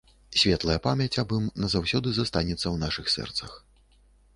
Светлая памяць аб ім назаўсёды застанецца ў нашых сэрцах.